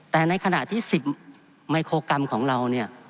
แต่ในขณะที่๑๐ไมโครกรัมของเราเนี่ย